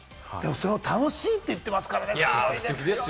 それを楽しいって言ってますね。